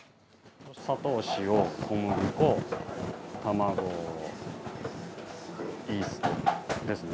砂糖、塩、小麦粉、卵、イーストですね。